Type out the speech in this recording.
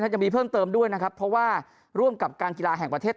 จะมีเพิ่มเติมด้วยนะครับเพราะว่าร่วมกับการกีฬาแห่งประเทศไทย